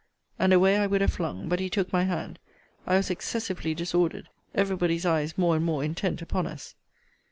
And away I would have flung: but he took my hand. I was excessively disordered every body's eyes more and more intent upon us.